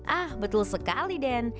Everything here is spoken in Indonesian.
ah betul sekali den